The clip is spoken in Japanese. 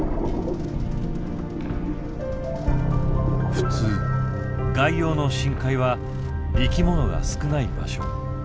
普通外洋の深海は生きものが少ない場所。